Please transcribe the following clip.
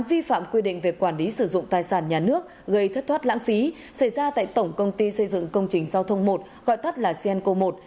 vi phạm quy định về quản lý sử dụng tài sản nhà nước gây thất thoát lãng phí xảy ra tại tổng công ty xây dựng công trình giao thông một gọi tắt là cenco một